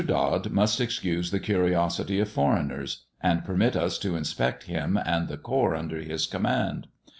Dod must excuse the curiosity of foreigners, and permit us to inspect him and the corps under his command.